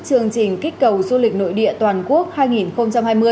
chương trình kích cầu du lịch nội địa toàn quốc